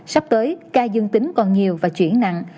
sắp tới ca dương tính còn nhiều và chuyển nặng